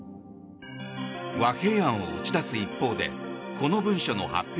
和平案を打ち出す一方でこの文書の発表